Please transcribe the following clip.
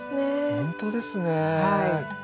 ほんとですね。